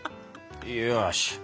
よし。